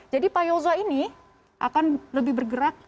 jadi pak yul zulmakas ini akan lebih bergerak di legal